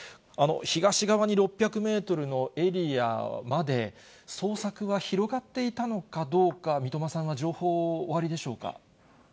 東側に６００メートルのエリアまで、捜索は広がっていたのかどうか、三笘さんは情報、おありでしょうか。